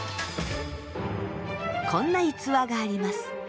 こんな逸話があります。